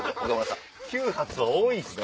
９発は多いって！